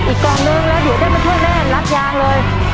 อีกกล่องหนึ่งแล้วเดี๋ยวจะมาพูดแม่รัดยางเลย